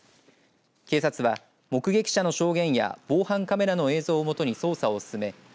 警察は、目撃者の証言や防犯カメラの映像をもとに捜査を進め